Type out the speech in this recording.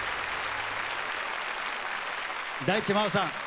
大地真央さん